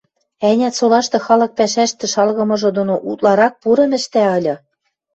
Ӓнят, солашты халык пӓшӓштӹ шалгымыжы доно утларак пурым ӹштӓ ыльы?